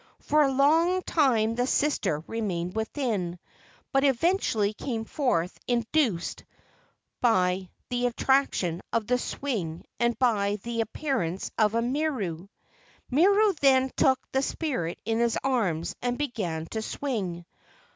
For a long time the sister remained within, but eventually came forth induced by the attraction of the swing and by the appearance of Miru. Miru then took the spirit in his arms and began to swing.